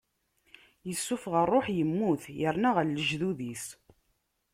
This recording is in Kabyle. Issufeɣ ṛṛuḥ, immut, yerna ɣer lejdud-is.